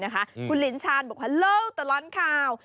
คุณลินชาญบอกฮัลโหลตลอดข่าว